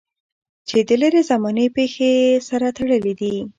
چې د لرې زمانې پېښې یې سره تړلې دي.